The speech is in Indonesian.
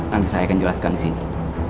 nanti saya akan jelaskan di sini